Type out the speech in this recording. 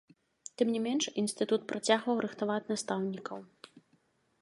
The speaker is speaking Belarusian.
Тым не менш, інстытут працягваў рыхтаваць настаўнікаў.